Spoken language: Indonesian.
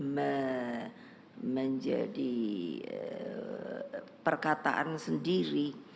menjadi perkataan sendiri